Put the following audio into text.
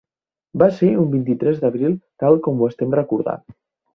Va ser un vint-i-tres d'abril tal com ho estem recordant.